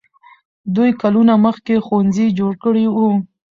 دوی کلونه مخکې ښوونځي جوړ کړي وو.